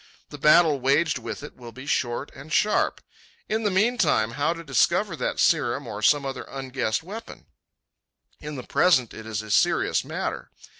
The battle waged with it will be short and sharp. In the meantime, how to discover that serum, or some other unguessed weapon? In the present it is a serious matter.